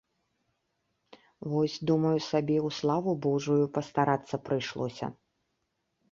Вось, думаю сабе, у славу божую пастарацца прыйшлося.